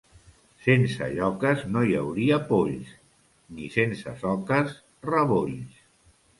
Sense lloques no hi hauria polls, ni sense soques, rebolls.